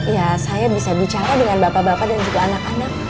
ya saya bisa bicara dengan bapak bapak dan juga anak anak